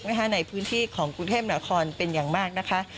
ในพื้นที่ของกรุงเทพนครเป็นอย่างมากนะคะ